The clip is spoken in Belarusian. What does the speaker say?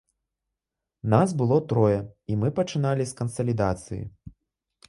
Нас было трое, і мы пачыналі з кансалідацыі.